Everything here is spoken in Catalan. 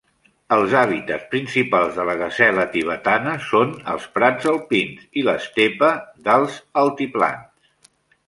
Els hàbitats principals de la gasela tibetana són els prats alpins i l"estepa d"alts altiplans.